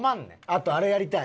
あとあれやりたい。